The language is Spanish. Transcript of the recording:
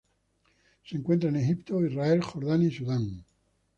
Se encuentra en Egipto, Israel, Jordania y Sudán.